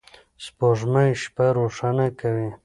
سپوږمۍ شپه روښانه کوي.